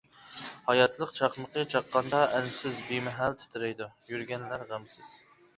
ھاياتلىق چاقمىقى چاققاندا ئەنسىز-بىمەھەل تىترەيدۇ يۈرگەنلەر غەمسىز.